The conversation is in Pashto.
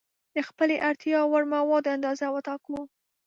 د خپلې اړتیا وړ موادو اندازه وټاکو.